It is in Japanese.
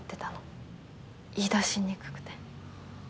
言いだしにくくて。